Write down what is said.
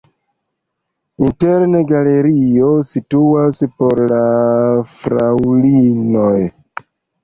Interne galerio situas por la fraŭlinoj.